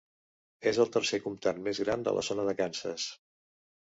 És el tercer comptat més gran de la zona de Kansas.